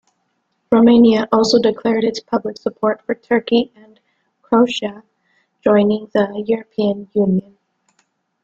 Romania also declared its public support for Turkey and Croatia joining the European Union.